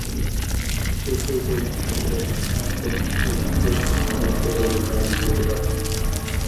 শিশু যৌন নির্যাতন সংক্রমণ এবং যৌন সংক্রামিত রোগের কারণ হতে পারে।